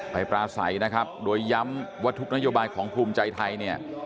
ไปปราศัยนะครับโดยย้ำว่าทุกนโยบายของภูมิใจไทย